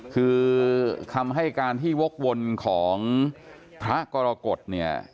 คือคำให้การที่วกวนของพระกรกฎเนี่ย